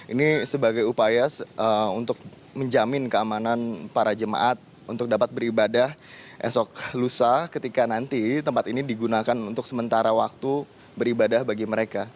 ini sebagai upaya untuk menjamin keamanan para jemaat untuk dapat beribadah esok lusa ketika nanti tempat ini digunakan untuk sementara waktu beribadah bagi mereka